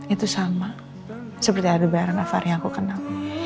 itu sama seperti ada barang nafari yang aku kenal